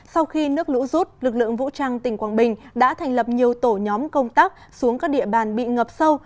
sau khi nước lũ rút lực lượng vũ trang tỉnh quảng bình đã thành lập nhiều tổ nhóm công tác xuống các địa bàn bị ngập sâu